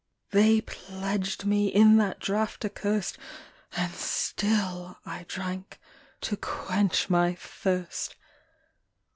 They pledged me in that draught accurst, And still I drank, to quench my thirst.